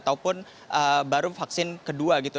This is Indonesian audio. ataupun baru vaksin kedua gitu